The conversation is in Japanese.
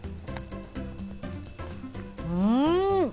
うん！